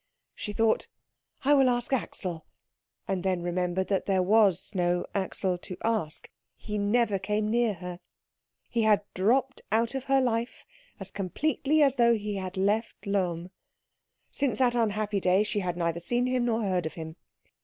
She thought, "I will ask Axel" and then remembered that there was no Axel to ask. He never came near her. He had dropped out of her life as completely as though he had left Lohm. Since that unhappy day, she had neither seen him nor heard of him.